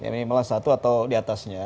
minimal s satu atau diatasnya